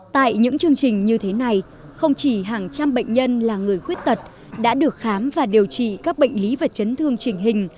tại những chương trình như thế này không chỉ hàng trăm bệnh nhân là người khuyết tật đã được khám và điều trị các bệnh lý và chấn thương trình hình